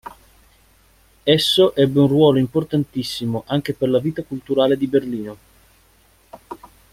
Esso ebbe un ruolo importantissimo anche per la vita culturale di Berlino.